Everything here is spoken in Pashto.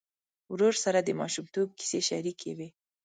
ورور سره د ماشومتوب کیسې شريکې وې.